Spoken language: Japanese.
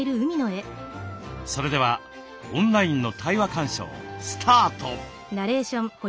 それではオンラインの対話鑑賞スタート。